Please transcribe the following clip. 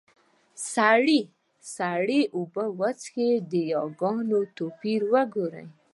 سړي سړې اوبۀ وڅښلې . د ياګانو توپير وګورئ!